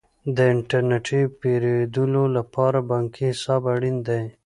د انټرنیټي پیرودلو لپاره بانکي حساب اړین دی.